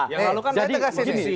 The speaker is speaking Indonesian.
yang lalu kan saya tengah sedisi